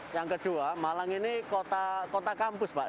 yang kedua malang ini kota kampus pak